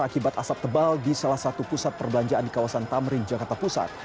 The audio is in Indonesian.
akibat asap tebal di salah satu pusat perbelanjaan di kawasan tamrin jakarta pusat